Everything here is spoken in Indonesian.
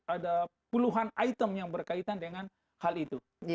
ada puluhan item yang berkaitan dengan hal itu